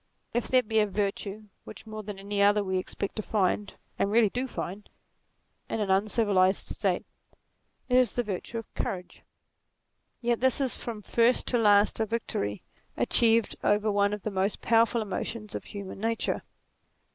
If there be a virtue which more than any other we expect to find, and really do find, in an uncivilized NATURE 47 state, it is the virtue of courage. Yet this is from first to last a victory achieved over one of the most powerful emotions of human nature.